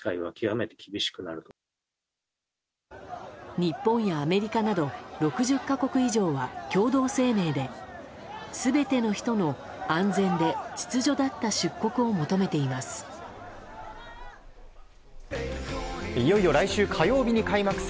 日本やアメリカなど６０か国以上は共同声明で、全ての人の安全で秩序だった出国を求めています。